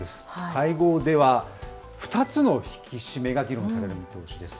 会合では、２つの引き締めが議論される見通しです。